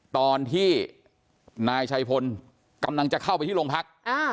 ตอนที่นายชัยพลกำลังจะเข้าไปที่โรงพัก